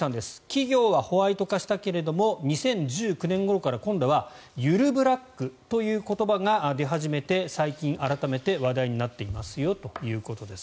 企業はホワイト化したけど２０１９年ごろから今度はゆるブラックという言葉が出始めて最近改めて話題になっていますよということです。